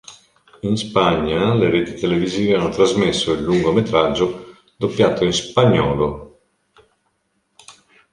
In Spagna le reti televisive hanno trasmesso il lungometraggio doppiato in spagnolo.